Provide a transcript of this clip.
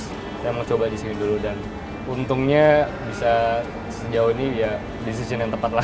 saya mau coba di sini dulu dan untungnya bisa sejauh ini ya decision yang tepat lah